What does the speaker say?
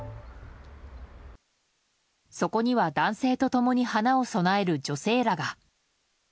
そこには男性と共に花を供える女性らが。